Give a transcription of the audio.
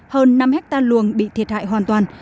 hơn năm hectare luồng bị thiệt hại hoàn toàn